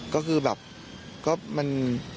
ก็คือแบบก็มัน